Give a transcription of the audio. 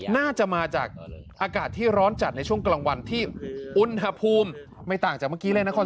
น่าจะมาจากอากาศที่ร้อนจัดในช่วงกลางวันที่อุณหภูมิไม่ต่างจากเมื่อกี้เล่นนคร